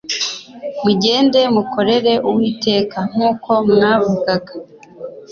mugende mukorere Uwiteka nk’uko mwavugaga.»